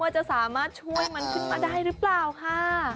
จะสามารถช่วยมันขึ้นมาได้หรือเปล่าค่ะ